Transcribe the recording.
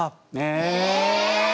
え！